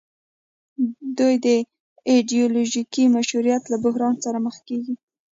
دوی د ایډیولوژیک مشروعیت له بحران سره مخ کیږي.